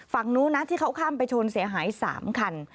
ฝั่งนู้นนะที่เขาข้ามไปชนเสียหาย๓คัน